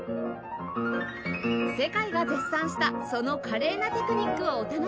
世界が絶賛したその華麗なテクニックをお楽しみに